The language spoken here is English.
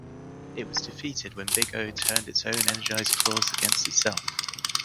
It was defeated when Big O turned its own energized claws against itself.